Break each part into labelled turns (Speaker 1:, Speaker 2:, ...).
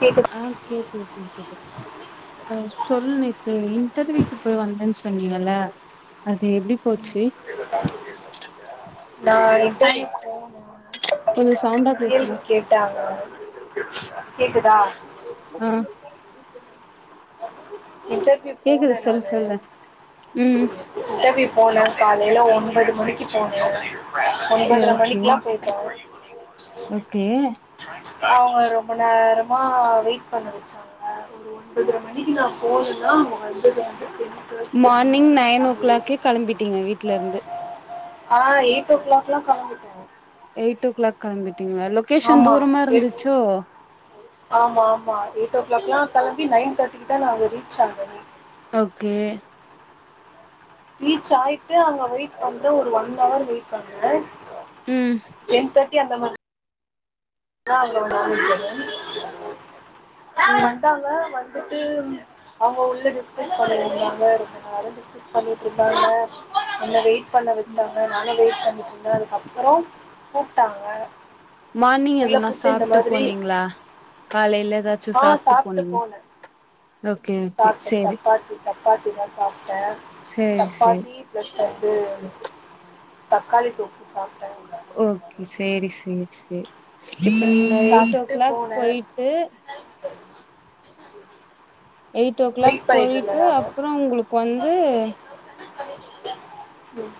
Speaker 1: கேக்கு
Speaker 2: ஆ கேக்குது கேக்குது சொ அ சொல்லுங்க தோழி இன்டர்வீக்கி போய் வந்தன் சொன்னீங்கள அது எப்டி போச்சி
Speaker 1: நான் இன்டர்வியூ போனேன்
Speaker 2: கொஞ்சோ சவுண்டா பேசுங்க
Speaker 1: டா கேக்குதா
Speaker 2: ம்
Speaker 1: இன்டர்
Speaker 2: கேக்குது சொல்லு சொல்லு ம்
Speaker 1: இன்டெர்வியூ போனேன் காலையில ஒன்பது மணிக்கு போன
Speaker 2: சரி
Speaker 1: ஒன்பதர
Speaker 2: ஓகே
Speaker 1: மணிக்குலா போயிட்ட
Speaker 2: ஓகே
Speaker 1: ஆவ் ரொம்ப நேரமா வெயிட் பண்ண வச்சாங்க இப்ப மீட்டிங் நா போனன்னா [unintelligible]
Speaker 2: மார்னிங் நைன் ஓ கிளாக்கே கிளம்பிட்டீங்க வீட்ல இருந்து
Speaker 1: ஆ எயிட் ஓ கிளாக்லா கிளம்பிட்டேன்
Speaker 2: எயிட் ஓ கிளாக் கிம்பிட்டீங்களா லொகேஷன்
Speaker 1: ஆமா
Speaker 2: தூரமா
Speaker 1: எட்
Speaker 2: இருந்துச்சோ
Speaker 1: ஆமா ஆமா எயிட் ஓ கிளாக்லா கிளம்பி நைன் தேர்ட்டிக்கு தா நா அங்க ரீச் ஆநேனே
Speaker 2: ஓக்கே
Speaker 1: ரீச் ஆயிட்டு அங்க வெயிட் பண்ற ஒரு ஒன் ஹவுர் வெயிட் பண்ண
Speaker 2: ம்
Speaker 1: டென் தேர்ட் கி அந்த மாரி [unintelligible]
Speaker 2: ம்
Speaker 1: வந்தாங்க வந் துட்டு அவங்க உள்ள டிஸ்கஸ் பன்னிட்டு இருந்தாங்க ரொம்ப நேரம் டிஸ் கஸ் பண்ணிட்டு இருந்தாங்க என்ன வெயிட் பண்ண வச்சாங்க நானு வெயிட் பண்ணிட்டுந்தேன் அதுக்கப்பறோம் கூப்ட்டாங்க
Speaker 2: மார்னிங்
Speaker 1: உள்ள
Speaker 2: எதுனா
Speaker 1: கூப்ட்டு இந்த
Speaker 2: சாப்ட்டு
Speaker 1: மாதிரி
Speaker 2: போனீங்களா காலையில ஏதாச்சும்
Speaker 1: ஆ
Speaker 2: சாப்ட்டு போனீங் ஓகே ஓகே
Speaker 1: சாப்டேன்
Speaker 2: சேரி
Speaker 1: சப்பாத்தி சப்பாத்திதான் சாப்டேன்
Speaker 2: சேரி சேரி
Speaker 1: சப்பாத்தி பிளஸ் வந்து தக்காளி தொக்கு சாப்ட்டேன்
Speaker 2: ஓகே சேரி சேரி சேரி இப்ப நீங்க எயிட் ஓ
Speaker 1: சாப்ட்டுட்டு
Speaker 2: கிளாக்
Speaker 1: போனே
Speaker 2: போயிட்டு எயிட் ஓ கிளாக்
Speaker 1: வெயிட் பண்ணிட்டு இருந்தேன்
Speaker 2: போயிட்டு
Speaker 1: நானு
Speaker 2: அப்புறோ உங்களுக்கு வந்து
Speaker 1: ம்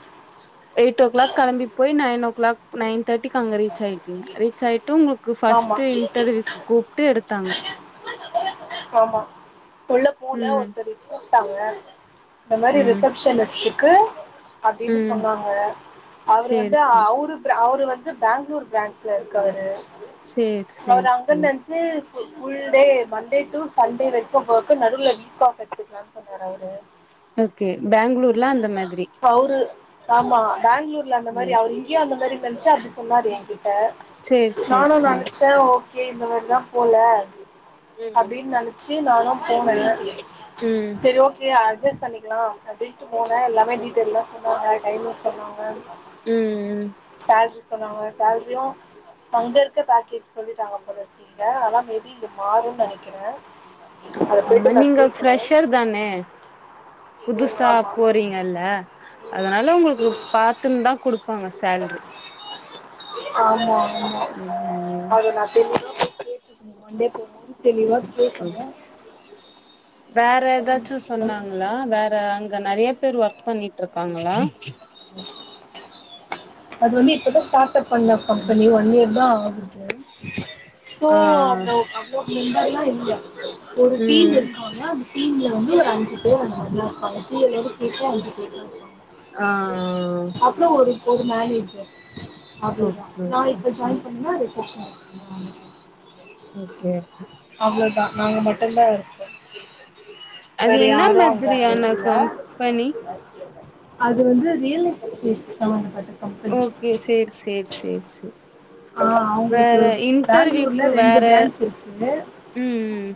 Speaker 2: எயிட் ஓ கிாக் கிளம்பி போயி றையன் ஓ கிளாக் நைன் தேர்ட்டிக்கு அங்க ரீச் ஆயிட்டீங்க ரீச் ஆயிட்டு உங்களுக்கு ஃபா
Speaker 1: ஆமா
Speaker 2: இன்டெர்வியூகு கூப்ட்டு எடுத்தாங்க
Speaker 1: ஆமா உள்ள போன
Speaker 2: ம்
Speaker 1: ஒருத்தரு கூப்டாங்க இந்த மாரி
Speaker 2: ம்
Speaker 1: ரிசப்ஷனிஸ்ட்டுக்கு அப்டினு
Speaker 2: ம்
Speaker 1: சொன்னாங்க அவரு
Speaker 2: சேரி
Speaker 1: வந்து
Speaker 2: சேரி
Speaker 1: அவரு அவரு வந் து பேங்க்ளூர் பிரான்ச்ல இருக்காரு
Speaker 2: சேரி
Speaker 1: அவரு
Speaker 2: சேரி
Speaker 1: அங்கனு
Speaker 2: சேரி
Speaker 1: நெனச் [unintelligible] full day Monday to Sunday வரைக்கும் ஒர்க் நடுவுல வீக் ஆஃப் எடுத்துக்கலாம் சொன்னாரு அவரு
Speaker 2: ஓகே பேங்களூர்ல அந்த மாதிரி
Speaker 1: அவரு ஆமா பேங்களூர்ல அந்த மாதிரி
Speaker 2: ம்
Speaker 1: அவரு இங்கயோ அந்த மாரி நெனச்சு அப்டி சொன்னாரு என்கிட்ட
Speaker 2: சேரி சேரி
Speaker 1: நானும்
Speaker 2: சேரி
Speaker 1: நெனைச்சேன் ஓக் கே இந்த மாரிதான் போல
Speaker 2: ம்
Speaker 1: அப்டின் நெனைச்சு நானும் போன
Speaker 2: ம் ம்
Speaker 1: சரி ஓகே அட்ஜஸ் பண்ணிக்கலாம் அப் டிண்டு போனேன் எல்லாமே டீட்டெயில்லா சொன்னாங்க டைமிங் சொன்னாங்க
Speaker 2: ம்
Speaker 1: சேல்ரி சொன்னாங்க சேல்ரியு அங்க இருக்க பேக்கேஜ் சொல்லிட்டாங்க போலருக்கு இங்க ஆனா மேபி இங்க மாறும்ன்னு நெனைக்கிற
Speaker 2: அமா நீங்க ஃரெஷர் தானே
Speaker 1: ம்
Speaker 2: புதுசா
Speaker 1: ஆமா
Speaker 2: போறீங்கல்ல அதனால ஒங்களுக்கு பாத்துன்னு தான் குடுப்பாங்க சேல்ரி
Speaker 1: ஆமா ஆமா
Speaker 2: ம்
Speaker 1: அத நா தெளிவா போய் கேட் மன்டே போகும்போது தெளிவா
Speaker 2: ம்
Speaker 1: கேக்கணு
Speaker 2: வேற ஏதாச்சு சொன்னாங்ளா வேற அங்க நெறைய பேர் ஒர்க் பண்ணிட்டுருக்காங்ளா
Speaker 1: அது வந்து இப்பதா ஸ்டார்ட் அப் பண்ண கம்பெனி ஒன் இயர் தா ஆகுது சோ
Speaker 2: ஆ
Speaker 1: அவுங்க அவ்ளோ [unintelligible] இல்ல ஒரு டீம்
Speaker 2: ம்
Speaker 1: இருக்காங்க டீம்ல வந்து ஒரு அஞ்சு பேர் அந்த மாரிலா இருப்பாங்க டி எல்லோட செத்தே அஞ்சு பேர்தா இருப்பாங்க
Speaker 2: ஆ
Speaker 1: இப்போ ஒரு ஒரு மேனேஜர் அவ்ளோதா
Speaker 2: ஓகே
Speaker 1: நா இப்ப ஜாயின் பண்ணா ரிசப்ஷனிஸ்ட் [inaudible]
Speaker 2: ஓகே ஓகே
Speaker 1: அவ்ளோதா நாங்க மட்டுந்தா இருப்போ
Speaker 2: அது
Speaker 1: வேற
Speaker 2: என்ன
Speaker 1: யாரு அங்க
Speaker 2: மாதிரியான
Speaker 1: இல்ல
Speaker 2: கம்பெனி
Speaker 1: அது வந்து ரியல் எஸ்டேட் சம்பந்தப்பட்டது
Speaker 2: ஓகே சேரி சேரி சேரி சேரி
Speaker 1: ஆ
Speaker 2: வேற
Speaker 1: அவுங்ளுக்கு
Speaker 2: இன்டர்வியூக்கு
Speaker 1: பேங்ளூர்ல ரெண்டு பிராஞ்ச் இருக்கு
Speaker 2: ம் ம்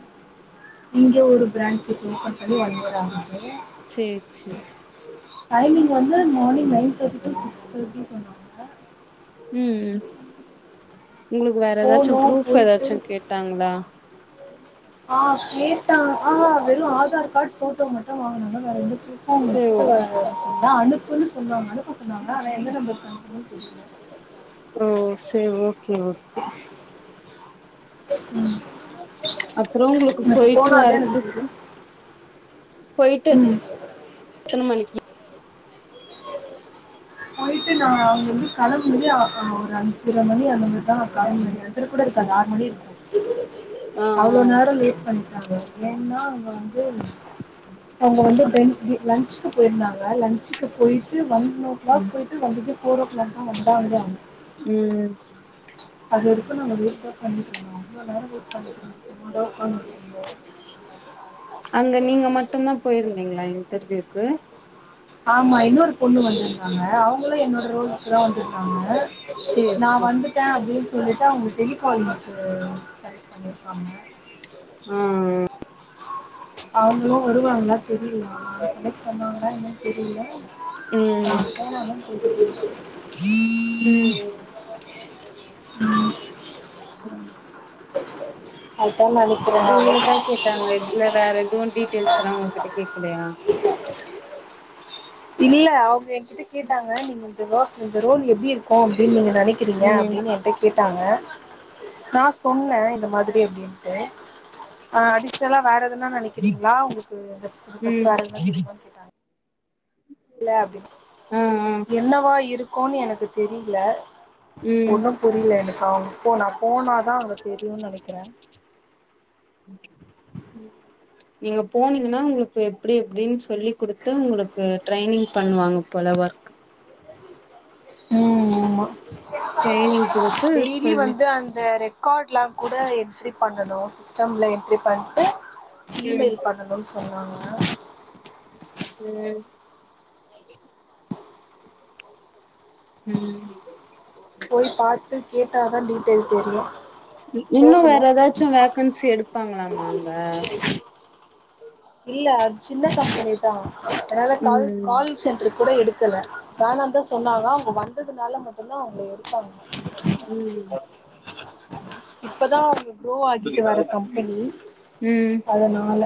Speaker 1: இங்க ஒரு பிரான்ஞ்சு இப்ப ஓப்பன் பண்ணி ஒன் இயர் ஆகுது
Speaker 2: சேர் சேரி
Speaker 1: டைமிங் வந்து morning nine thirty to six thirty சொன்னாங்க
Speaker 2: ம் ம் உங்ளுக்கு வேற ஏதாச்சு
Speaker 1: போனோம்
Speaker 2: ப்ரூஃப்
Speaker 1: போயிட்டு
Speaker 2: ஏதாச்சு கேட்டாங்ளா
Speaker 1: ஆ கேட்டா ஆஹ வெறு ஆதார் கார்ட் போட்டோ மட்டு வாங்கனாங்க வேற எந்த ப்ரூஃப்
Speaker 2: சோ
Speaker 1: [unintelligible] அனுப்புன்னு சொன்னாங்க அனுப்ப சொன்னாங்க ஆனா எந்த நம்பருக்கு அனுப்பனுனு தெரியல
Speaker 2: ஓ சே ஓகே ஓகே அப்றோ உங்ளுக்கு
Speaker 1: எனக்கு
Speaker 2: போயிட்டு
Speaker 1: போனாதான் எனக்கு
Speaker 2: வரத்துக்கு
Speaker 1: தெரியும்
Speaker 2: போய்ட்டு
Speaker 1: ம்
Speaker 2: எத்தன மணிக்கி
Speaker 1: போயிட்டு நா அங்க இருந்து கிளம்போதே ஆ ஒரு அஞ்சர மணி அந்த மாரிதா ஒரு அஞ் அஞ்சர கூட இருக்காது ஆறு மணி இருக்கு
Speaker 2: ஆ ஆ
Speaker 1: அவ்ளோ நேரோ லேட் பண்டாங்க ஏன்னா அங்க வந்து அவுங்க வந்து டென்த் பி லஞ்ச்க்கு போயிருந்தாங்க லஞ்ச் க்கு போயிட்டு ஒன் ஓ கிளாக் போயிட்டு வந்துட்டு ஃபோர் ஓ கிளாக் தா வந்தாங்களாம்
Speaker 2: ம்
Speaker 1: அது இருக்கனு [unintelligible] அவ்ளோ நேரோ வெயிட் பண்ணிட்டு [unintelligible] உக்காந்துட்டு இருந்தே
Speaker 2: அங்க நீங்க மட்டுந்தா போயிருந்தீங்ளா இன்டர்வியூக்கு
Speaker 1: ஆமா இன்னொரு பொண்ணு வந்திருந்தாங்க அவுங்களு என்னோட ரோல்க்கு தா வந்திருந்தாங்க
Speaker 2: சேரி
Speaker 1: நா
Speaker 2: சேரி
Speaker 1: வந்துட்டே அப்டின்னு சொல்லிட்டு அவுங்க டெலிகாலிங்க்கு செலைக்ட் பண்ணிருக்காங்க
Speaker 2: ம் ம்
Speaker 1: அவுங்ளு வருவாங்களா தெரியல நா செலக்ட் பண்ணுவாங்ளா என்னனு தெரியல [inaudible]
Speaker 2: ம் ம்
Speaker 1: ம்
Speaker 2: ம்
Speaker 1: அததா நாளைக்
Speaker 2: இவுங்களத்தா கேட்டாங்க இதுல வேற எதுவு டீட்டெய்ல்ஸ் லா உங்ககிட்ட கேக்கலையா
Speaker 1: இல்ல அவுங்க என்கிட்ட கேட்டாங்க நீங்க இந்த வொர்க் இந்த ரோல் எப்டி இருக்கு அப்டின் நெனைக்கிறீங்க
Speaker 2: ம்
Speaker 1: அப்டின் என்ட்ட கேட்டாங்க நா சொன்னே இந்த மாத்ரி அப்டின்ட்டு ஆ அடிஷ்னலா வேற எதுன்னா நெனக்கிறீங்ளா உங்ளுக்கு இந்த இது பத்தி
Speaker 2: ம்
Speaker 1: வேற எதுனா தெரிமான் கே இல்ல அப்டின்
Speaker 2: ஆ ஆ
Speaker 1: என்னவா இருக்குன் எனக்கு தெரில
Speaker 2: ம்
Speaker 1: ஒண்ணு புரில எனக்கு அவுங் போ நா போனா தா அங்க தெரியுன் நெனக்கிறே
Speaker 2: [inaudible] நீங்க போனீங்கன்னா உங்ளுக்கு எப்டி எப்டின் சொல்லி குடுத்து உங்ளுக்கு ட்ரெய்னிங் பண்ணுவாங்க போல ஒர்க்
Speaker 1: ம் ஆமா
Speaker 2: ட்ரைனிங் குடுத்து
Speaker 1: டெய்லி
Speaker 2: சொல்லு
Speaker 1: வந்து அந்த ரெ க்கார்ட் லா கூட என்ட்ரி பண்ணனு சிஸ்டம்ல என்ட்ரி பண்ட்டு
Speaker 2: ம்
Speaker 1: இமெயில் பண்ணணுன் சொன்னாங்க
Speaker 2: ம் ம்
Speaker 1: போய் பாத்து கேட்டாதா டீட்டெயில் தெரியு
Speaker 2: இ இன்னு
Speaker 1: போகணு
Speaker 2: வேற எதாச்சு வேக்கன்சி எடுப்பாங்ளாமா அங்க
Speaker 1: இல்ல அத் சின்ன கம்பெனி தா ஆனால கால்
Speaker 2: ம்
Speaker 1: கால் சென்ட்ருக்கூட எடுக்கல வேணாந்தா சொன்னாங்க அவுங்க வந்ததுனால மட்டுந்தா அவுங்கள எடுத்தாங்க
Speaker 2: ம்
Speaker 1: இப்பதா அவுங்க க்ரோ ஆகிட்டு வர கம்பெனி அதனால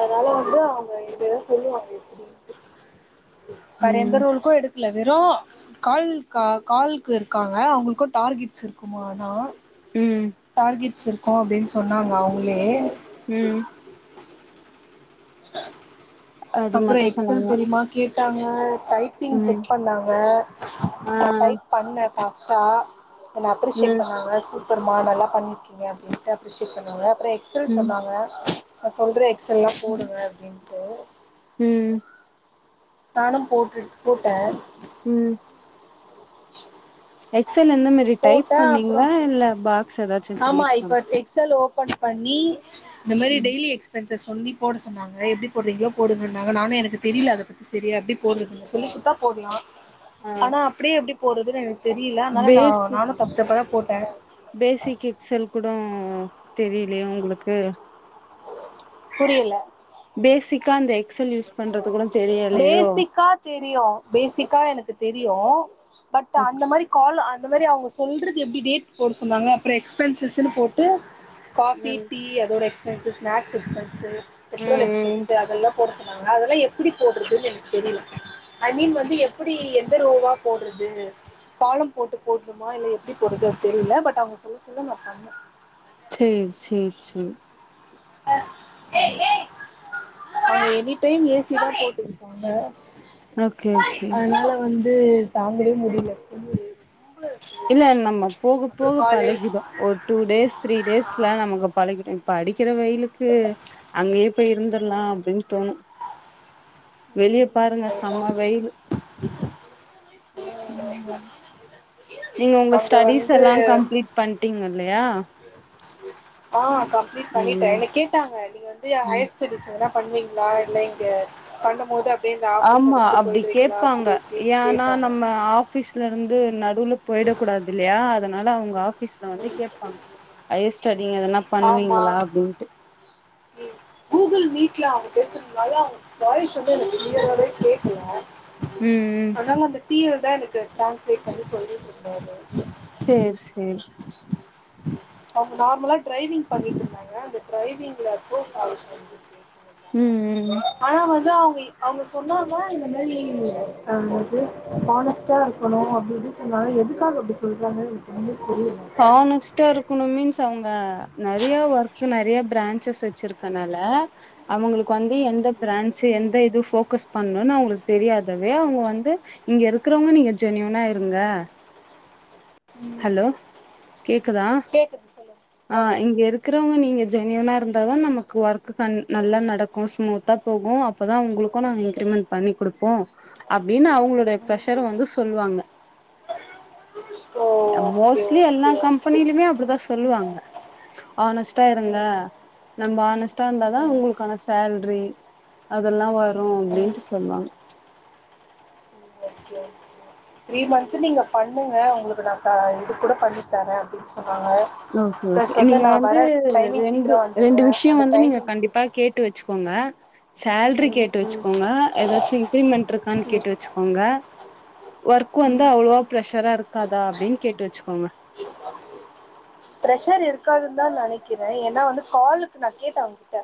Speaker 1: அதனால வந்து அவுங்க என்ட்ட எதா சொல்லுவாங்க எப்டின்ட்டு
Speaker 2: ம்
Speaker 1: வேற எந்த
Speaker 2: ம்
Speaker 1: ரோல்க்கு எடு க்ல வெறு கால் கா கால்க்கு இருக்காங்க அவுங்ளுக்கு டார்கெட்ஸ் இருக்குமா ஆனா
Speaker 2: ம்
Speaker 1: டார்கெட்ஸ் இருக்கு அப்டின் சொன்னாங்க அவுங்ளே
Speaker 2: ம் அது
Speaker 1: அப்றோ
Speaker 2: மட்டு
Speaker 1: எக்ஸல்
Speaker 2: சொன்னாங்க
Speaker 1: தெரிமா கேட்டாங்கோ டைப்பிங்
Speaker 2: ம்
Speaker 1: செக் பண்ணாங்க
Speaker 2: ஆ
Speaker 1: நா டை பண்ணே ஃபாஸ்ட்டா என்ன அப்ரிஷேட்
Speaker 2: ம்
Speaker 1: பண்ணாங்க சூ ப்பர்மா நல்லா பண்ணிருக்கீங்க அப்டின்ட்டு அப்ரிஷேட் பண்ணுவாங்க அப்றோ எக்ஸல்
Speaker 2: ம்
Speaker 1: சொன்னாங்க நா சொல்ற எக்ஸ்ஸெல்லா போடுங்க அப்டின்ட்டு
Speaker 2: ம்
Speaker 1: நானு போட்டுட் போட்டே
Speaker 2: ம்
Speaker 1: அ
Speaker 2: எக்ஸல் எந்த மாரி டைப் பண்ணீங்ளா இல்ல பா
Speaker 1: ஆமா இப்ப எக்ஸல் ஓபன் பண்ணி இந்த மாரி
Speaker 2: ம்
Speaker 1: டெய்லி எக் ஸ்பென்ஸ சொல்லி போட சொன்னாங்க எப்டி போட்றீங்ளோ போடுங்கன்னாங்க நானு எனக்கு தெரில அத பத்தி செரியா எப்டி போட்றதுனு சொல்லி குட்த்தா போட்லா
Speaker 2: [inaudible]
Speaker 1: ஆனா அப்டியே எப்டி போட்றதுன் எனக்கு தெரில அத்னால நா நானு தப்தப்பாதா போட்டே
Speaker 2: பேஸிக் எக்ஸல் கூடோ தெரிலையா உங்ளுக்கு
Speaker 1: புரியல
Speaker 2: பேஸிக்கா அந்த எக்ஸல் யூஸ் பண்றது கூட தெரியலையோ
Speaker 1: பேஸிக்கா தெரியு பேஸிக்கா எனக்கு தெரியு பட் அந்த மாரி கால் அந்த மாரி அவுங்க சொல்றது எப்டி டேட் போட சொன்னாங்க அப்றோ எக்ஸ்பென்சஸ்னு போட்டு காஃபி
Speaker 2: ம் ம்
Speaker 1: டீ அதோட எக்ஸ்பென்ஸ் ஸ்நாக்ஸ் எக்ஸ்பென்ஸ் பெட்ரோல்
Speaker 2: ம்
Speaker 1: எக்ஸ்பென்ஸ் அதெல்லா போட சொன்னாங்க அதெல்லா எப்டி போடுறதுன்னு எனக் தெரில ஐ மீன் வந்து எப்டி எந்த ரோவா போடுறது காலம் போட்டு போட்னுமா இல்ல எப்டி போடுது தெரில பட் அவங்க சொல்ல சொல்ல நா பண்ணே
Speaker 2: சேர் சேர் சேர் [inaudible]
Speaker 1: அங்க எனிடைம் ஏ சி தா போட்டுருக்காங்க
Speaker 2: ஓகே ஓகே
Speaker 1: அதனால வந்து தாங்கவே முடியல முடிய
Speaker 2: இல்ல நம்ம போக போக
Speaker 1: காலைல
Speaker 2: பழகிடு ஒரு டூ டேஸ் த்ரீ டேஸ்ல நமக் பழகிரு இப்ப அடிக்கிற வெயிலுக்கு அங்கே போய் இருந்தர்லா அப்டின் தோணு வெளியே பாருங்க செம்ம
Speaker 1: அதுதான்
Speaker 2: வெயில்
Speaker 1: [inaudible]
Speaker 2: நீங்க உங்க
Speaker 1: அங்க
Speaker 2: ஸ்டடிஸ்
Speaker 1: வந்து
Speaker 2: எல்லா கம்ப்ளீட் பண்ட்டீங்க இல்லையா
Speaker 1: ஆ கம்ப்ளீட் பண்ணிட்டே
Speaker 2: ம்
Speaker 1: என்ன கேட்டாங்க நீங்க வந்து
Speaker 2: ம்
Speaker 1: ஹையர் ஸ்டடிஸ் எதனா பண்ணுவீங்ளா இல்ல இங்க பண்ணம்போது
Speaker 2: ஆமா அப்டி கேட்பாங்க
Speaker 1: இப்டின்னு
Speaker 2: ஏன்னா
Speaker 1: கேட்டாங்க
Speaker 2: நம்ம ஆஃபிஸ் லருந்து நடுவுல போயிடக் கூடாதுல்லயா அதனால அவுங்க ஆஃபீஸ்ல வந்து
Speaker 1: ம்
Speaker 2: கேட்பாங்க ஹையர் ஸ்டடிங்க எதனா
Speaker 1: ஆமா
Speaker 2: பண்ணுவீங்களா அப்டின்ட்டு
Speaker 1: கூகுள் மீட்ல அவுங்க பேசுறனால வாய்ஸ் வந்து எனக் க்ளியராவே கேக்கல
Speaker 2: ம் ம்
Speaker 1: அதனால அந்த டி எல் தா எனக்கு டிரான்ஸ்லேட் பண்ணி சொல்லிட்ருந்தாரு
Speaker 2: செர் சேர்
Speaker 1: அவங்க நார்மலா டிரைவிங் பண்ணிட்டுருந்தாங்க அந்த டிரைவிங்ல லோ வாய்ஸ்ஸா இருந்து
Speaker 2: ம்
Speaker 1: பேசிட்ருந்தாங்க
Speaker 2: ம்
Speaker 1: ஆனா வந்து அவங்க இ அவங்க சொன்னாங்கனா இந்த மாரி ஆ என்து ஹானஸ்டா இருக்கணு அப்டி இப்டினு சொன்னாங் ஆனா எதுக்காக அப்டி சொல்றாங்கன் எனக்கு ஒன்மே புரியல
Speaker 2: ஹானஸ்ட்டா இருக் குனுன் மீன்ஸ் அவங்க நெறைய ஒர்க் நெறைய பிரான்ச்சஸ் வச்சிருக்கனால அவங்களுக்கு வந்து எந்த பிரான்ச்சு எந்த இது ஃபோகஸ் பண்ணுன் அவங்களுக் தெரியாதவே அவங்க வந்து இங்க இருக்குறவங்க நீங்க ஜென்யூனா இருங்க ஹலோ கேக்குதா
Speaker 1: கேக்குது சொல்லுங்க
Speaker 2: ஆ இங்க இருக் க்குறவங்க நீங்க ஜென்யூனா இருந்தாதா நமக்கு ஒர்க் கண் நல்லா நடக்கு ஸ்மூத்தா போகு அப்பதா உங்களுக்கு நாங்க இன்கிரிமெண்ட் பண்ணி குடுப்போ அப்டின்னு அவங்களுடைய பிரஷர வந்து சொல்லுவாங்க
Speaker 1: ஓ
Speaker 2: அ
Speaker 1: ஓகே
Speaker 2: மோஸ்ட்லி எல்லா
Speaker 1: ஓகே ஓகே
Speaker 2: கம்பெனிலுமே அப்டிதா சொல்லுவாங்க ஹானஸ்ட்டா இருங்க
Speaker 1: ம்
Speaker 2: நம்ம ஹானஸ்ட்டா இருந்தாதா
Speaker 1: ம்
Speaker 2: உங்களுக்கான சேல்ரி அதெல்லா வரு
Speaker 1: ம்
Speaker 2: அப்டின்ட்டு சொல்வாங்க
Speaker 1: ஓகே ஓகே த்ரீ மந்த்து நீங்க பண்ணுங்க உங்களுக்கு நா க இது கூட பண்ணி தரே அப்டின் சொன்னாங்க
Speaker 2: ஓகே
Speaker 1: பிளஸ்
Speaker 2: ஓகே நீங்க
Speaker 1: நா
Speaker 2: வந்து
Speaker 1: வர டைமிங்
Speaker 2: ரெண்டு
Speaker 1: சீக்கிரோ
Speaker 2: ரெண்டு
Speaker 1: வந்துடுறே
Speaker 2: விஷயோ
Speaker 1: அந்த
Speaker 2: வந்து நீங்க
Speaker 1: டைமிங்க்கு
Speaker 2: கண்டிப்பா கேட் ட்டு வெச்சுக்கோங்க சேல்ரி
Speaker 1: ம்
Speaker 2: கேட்டு
Speaker 1: ம்
Speaker 2: வெச்சுக்கோங்க எதாச்சு இன்கிரிமெண்ட் இருக்கான்னு
Speaker 1: ம்
Speaker 2: கேட்டு வெச்சுக் கோங்க ஒர்க்
Speaker 1: ம்
Speaker 2: வந்து அவ்ளவா ப்ரஷரா இருக்காதா அப்டின் கேட்டு வெச்சுக்கோங்க
Speaker 1: பிரஷர் இருக்காதுன் தா நெனைக்கிறே ஏன்னா வந்து காலுக்கு நா கேட்டே அவுங்க கிட்ட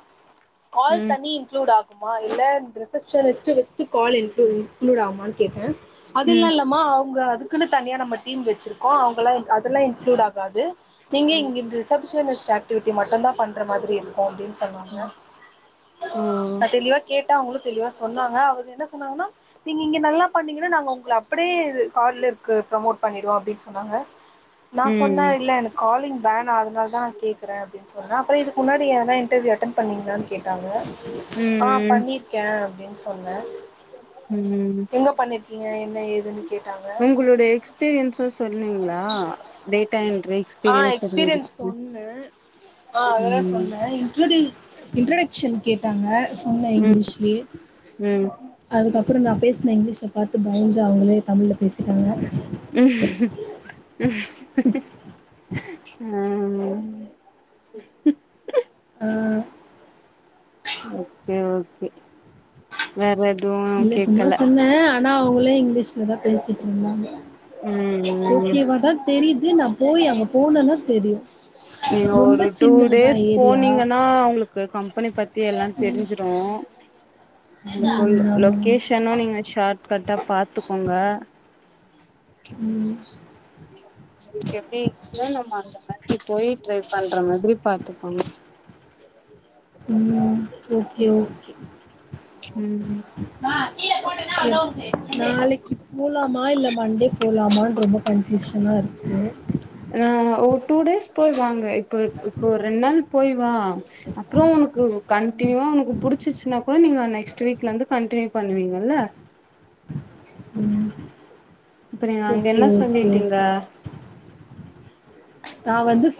Speaker 1: கால்
Speaker 2: ம்
Speaker 1: தனி இன்க்ளூட் ஆக் மா இல்ல receptionist with call include include ஆகுமான்னு கேட்ட அதுலா
Speaker 2: ம்
Speaker 1: இல்லாமா அவுங்க அதுக்குன்னு தனியா நம்ம டீம் வெச்சிருக்கோ அவுங்களா அதெல்லா இன்க்ளூட் ஆகாது நீங்க இங்க இந்த ரிசெப்ஷனிஸ்ட் ஆக்டிவிட்டி மட்டுந்தா பண்ற மாதிரி இருக்கு அப்டின் சொன்னாங்க
Speaker 2: ஓ
Speaker 1: நா தெளிவா கேட்ட அவுங்களு தெளிவா சொன்னாங்க அவரு என்ன சொன்னாங்கன்னா நீங்க இங்க நல்லா பண்ணீங்கன்னா நாங்க உங்கள அப்டியே கார்லருக்கு ப்ரமோட் பண்ணிடுவோ அப்டின் சொன்னாங்க நா சொன்ன
Speaker 2: ம்
Speaker 1: இல்ல எனக் காலிங் வேனா அதனால தா அப்டி இக்கறே அப்டின் சொன்ன அப்புறோ இதுக்கு முன்னாடி எதுனா இன்டர்வியூ அட்டெண்ட் பண்ணிங்களான் கேட்டாங்க
Speaker 2: ம் ம்
Speaker 1: இக்கே அப்டின் சொன்னே
Speaker 2: ம்
Speaker 1: எங்க பண்ணிருக்கீங்க என்ன ஏதுன்னு கேட்டாங்க
Speaker 2: ங்குளோட எக்ஸ் பீரியன்ஸ்ஸ சொன்னீங்ளா டேட்டா என்ட்ரிக்ஸ்
Speaker 1: ஆ எக்ஸ்பீரியன்ஸ் சொன்ன ஆ அதல்லா
Speaker 2: ம்
Speaker 1: சொன்ன இன்ட்ரொட்யூஸ் இன்ட்ரொக் ஷன் கேட்டாங்க சொன்ன
Speaker 2: ம்
Speaker 1: இங்கிலீஷ்லே
Speaker 2: ம்
Speaker 1: அதுக்கப்புறோ நா பேசுன இங்கிலீஷ்ஷ பாத்து பயந்து அவுங்களே தமிழ்ல பேசிட்டாங்க
Speaker 2: ம் ம்
Speaker 1: ஆ
Speaker 2: ஓகே ஓகே வேற எதுவு
Speaker 1: இல்ல சும்மா
Speaker 2: கேக்கல
Speaker 1: சொன்னே ஆனா அவுங்களே இங்கிலீஷ்ல தா பேசிட்டு இருந்தாங்க
Speaker 2: ம்
Speaker 1: ஓகேவா தா தெரிது நா போய் அங்க போனன்னா தெரியு
Speaker 2: நீங்க
Speaker 1: ரொம்ப
Speaker 2: ஒரு டூ
Speaker 1: சின்னதுதா
Speaker 2: டேஸ்
Speaker 1: ஏரியா
Speaker 2: போனீங்கன்னா அவங்களுக்கு கம்பெனி பத்தி எல்லா தெரிஞ்சிரு உங்ளுக்கு
Speaker 1: ம் ஆமா
Speaker 2: லொகேஷனு நீங்க ஷார்ட் கட்டா பாத்துக்கோங்க
Speaker 1: [unintelligible]
Speaker 2: உங்ளுக் [unintelligible] நம்ம அந்த மாதிரி போய் ட்ரை பண்ற மாதிரி பாத்துக்கோங்க
Speaker 1: ம் ஓகே ஓகே
Speaker 2: ம்
Speaker 1: ஓகே நாளைக்கு போலாமா இல்ல மண்டே போலாமான் ரொம்ப கன்ஃப்யூஷனாருக்கு
Speaker 2: ஆ ஒரு டூ டேஸ் போய் வாங்க இப்ப இப்போ ரெண்டு நாள் போய் வா அப்றோ உனுக்கு கண்டினியூவா உனக்கு புடிச்சின்னா கூட நீங்க நெக்ஸ்ட் வீக்லந்து கண்டினியூ பண்ணுவீங்கல்ல
Speaker 1: ம்
Speaker 2: இப்ப நீங்க அங்க
Speaker 1: ஓக்கே
Speaker 2: என்ன
Speaker 1: ஓக்கே ஓகே
Speaker 2: சொல்லிட்டீங்க
Speaker 1: நா வந்து சா